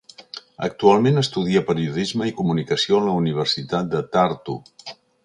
Actualment estudia periodisme i comunicació a la universitat de Tartu.